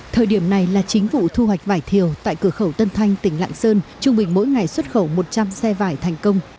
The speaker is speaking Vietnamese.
thời điểm này là chính vụ thu hoạch vải thiều tại cửa khẩu tân thanh tỉnh lạng sơn trung bình mỗi ngày xuất khẩu một trăm linh xe vải thành công